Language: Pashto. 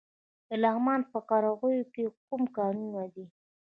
د لغمان په قرغیو کې کوم کانونه دي؟